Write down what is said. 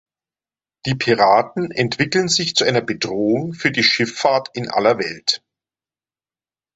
Die Piraten entwickeln sich zu einer Bedrohung für die Schifffahrt in aller Welt.